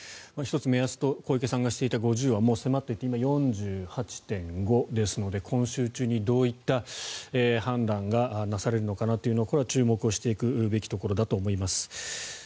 １つ、目安と小池さんがしていた５０はもう迫っていて４８．５％ですので今週中にどういった判断がなされるのかなというのがこれは注目していくべきところだと思います。